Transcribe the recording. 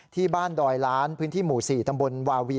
ดอยล้านพื้นที่หมู่๔ตำบลวาวี